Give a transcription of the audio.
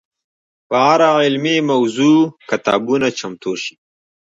په هره علمي موضوع کتابونه چمتو شي.